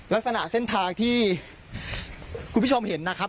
ลักษณะเส้นทางที่คุณผู้ชมเห็นนะครับ